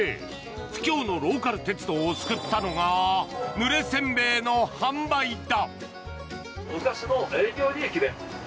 苦境のローカル鉄道を救ったのがぬれ煎餅の販売だ。